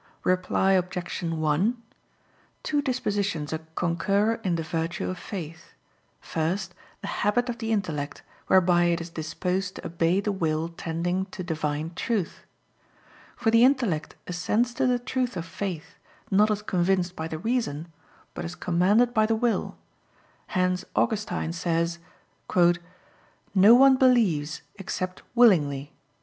Reply Obj. 1: Two dispositions concur in the virtue of faith; first, the habit of the intellect whereby it is disposed to obey the will tending to Divine truth. For the intellect assents to the truth of faith, not as convinced by the reason, but as commanded by the will; hence Augustine says, "No one believes except willingly."